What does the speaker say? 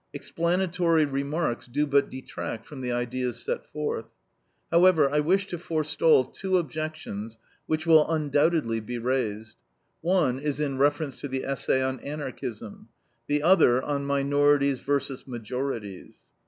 Explanatory remarks do but detract from the ideas set forth. However, I wish to forestall two objections which will undoubtedly be raised. One is in reference to the essay on ANARCHISM; the other, on MINORITIES VERSUS MAJORITIES.